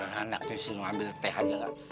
orang anak tuh sih ngambil tehannya gak